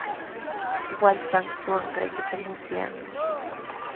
Wallpan suqanqaykita musyanmi.